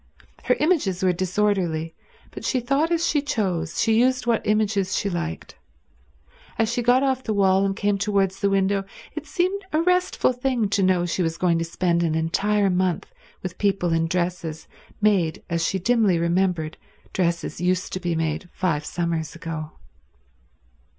Her images were disorderly, but she thought as she chose, she used what images she like. As she got off the wall and came towards the window, it seemed a restful thing to know she was going to spend an entire month with people in dresses made as she dimly remembered dresses used to be made five summers ago.